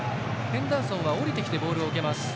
ヘンダーソンは下りてきてボールを受けます。